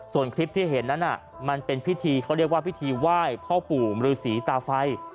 ส่วนคลิปที่เห็นนั้นมันเป็นพิธีเขาเรียกว่าพิธีไหว้พ่อปู่มรือสีตาไฟ